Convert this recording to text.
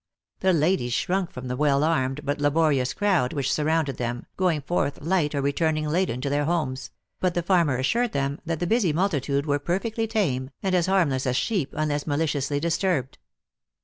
The ladies shrunk from the well armed but laborious crowd which surrounded them, going forth light or returning laden to their homes ; but the farmer assured them that the busy multitude w r ere perfectly tame, and as harmless as sheep, unless maliciously disturbed.